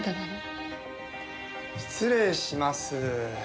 失礼します。